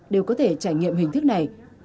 đều có thể trải nghiệm hình thức này